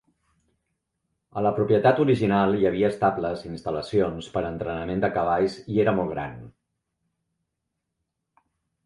A la propietat original hi havia estables i instal·lacions per a entrenament de cavalls i era molt gran.